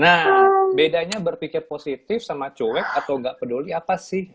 nah bedanya berpikir positif sama cuek atau nggak peduli apa sih